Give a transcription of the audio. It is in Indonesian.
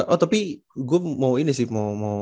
oh tapi gue mau ini sih mau